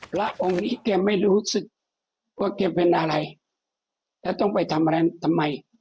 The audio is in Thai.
พระองค์นี้แกไม่รู้สึกว่าแกเป็นอะไรแล้วต้องไปทำอะไรทำไม